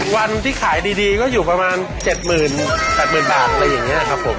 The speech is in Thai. วันที่ขายดีก็อยู่ประมาณ๗๘๐๐๐บาทอะไรอย่างนี้ครับผม